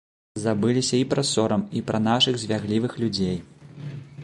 Забыліся і пра сорам, і пра нашых звяглівых людзей.